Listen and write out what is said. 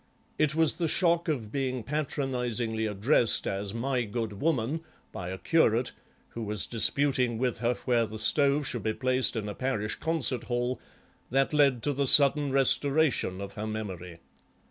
It was the shock of being patronisingly addressed as 'my good woman' by a curate, who was disputing with her where the stove should be placed in a parish concert hall that led to the sudden restoration of her memory.